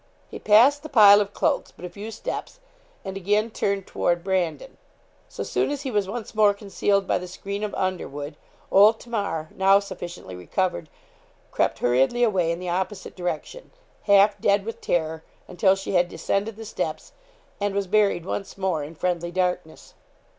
He passed the pile of cloaks but a few steps, and again turned toward Brandon. So soon as he was once more concealed by the screen of underwood, old Tamar, now sufficiently recovered, crept hurriedly away in the opposite direction, half dead with terror, until she had descended the steps, and was buried once more in friendly darkness.